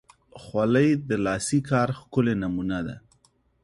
خولۍ د لاسي کار ښکلی نمونه ده.